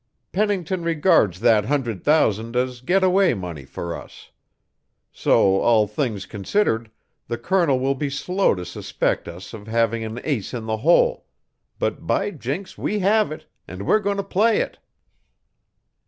Pennington regards that hundred thousand as get away money for us. So, all things considered, the Colonel, will be slow to suspect us of having an ace in the hole; but by jinks we have it, and we're going to play it."